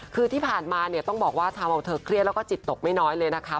คือที่ผ่านมาเนี่ยต้องบอกว่าทำเอาเธอเครียดแล้วก็จิตตกไม่น้อยเลยนะคะ